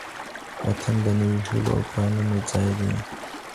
وطن د نويو هیلو او پلانونو ځای دی.